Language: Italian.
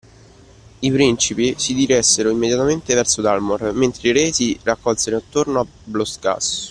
I principi si diressero immediatamente verso Dalmor, mentre i re si raccolsero attorno a Blostgas